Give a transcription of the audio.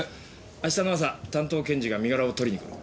明日の朝担当検事が身柄を取りに来る。